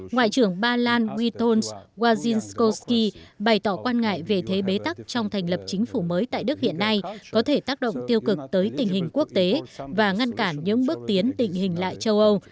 ngoại trưởng ba lan witon wajinskosky bày tỏ quan ngại về thế bế tắc trong thành lập chính phủ mới tại đức hiện nay có thể tác động tiêu cực tới tình hình quốc tế và ngăn cản những bước tiến định hình lại châu âu